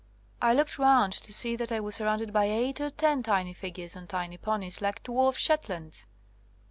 I looked round, to see that I was surrounded by eight or ten tiny figures on tiny ponies like dwarf Shet lands.